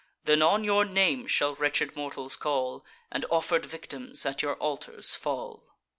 Then on your name shall wretched mortals call, And offer'd victims at your altars fall."